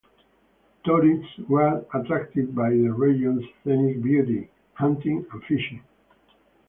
Tourists were attracted by the region's scenic beauty, hunting and fishing.